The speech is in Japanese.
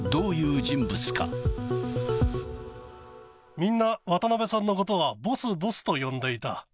みんな渡辺さんのことはボス、ボスと呼んでいた。